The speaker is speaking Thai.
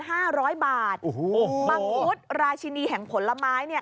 โอ้โหบางพุทธราชินีแห่งผลไม้เนี่ย